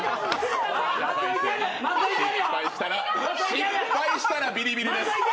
失敗したらビリビリです。